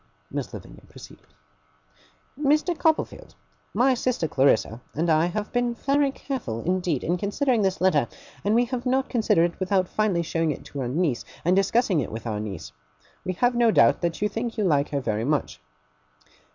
Miss Lavinia proceeded: 'Mr. Copperfield, my sister Clarissa and I have been very careful indeed in considering this letter; and we have not considered it without finally showing it to our niece, and discussing it with our niece. We have no doubt that you think you like her very much.